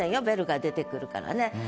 「ベル」が出てくるからね。